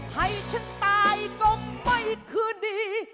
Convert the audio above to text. ให้ฉันตายก็ไม่คืนดี